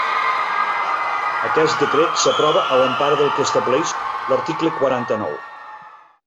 Aquest decret s'aprova a l'empara del que estableix l'article quaranta-nou.